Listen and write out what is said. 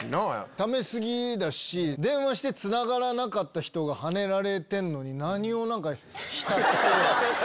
ため過ぎだし電話してつながらなかった人がはねられてんのに何を浸って。